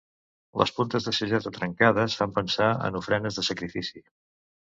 Les puntes de sageta trencades fan pensar en ofrenes de sacrifici.